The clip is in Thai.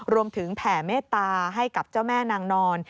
แผ่เมตตาให้กับเจ้าแม่นางนอน